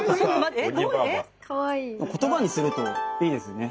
言葉にするといいですね。